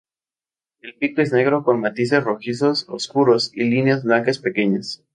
El pico es negro con matices rojizos oscuros y líneas blancas pequeñas.